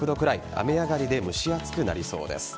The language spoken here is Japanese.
雨上がりで蒸し暑くなりそうです。